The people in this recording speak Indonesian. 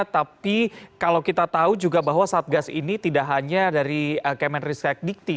tapi kalau kita tahu juga bahwa satgas ini tidak hanya dari kemenristek dikti